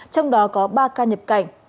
trong đó có ba ca nhập cảnh